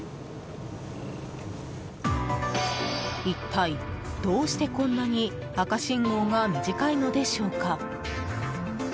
一体どうしてこんなに赤信号が短いのでしょうか。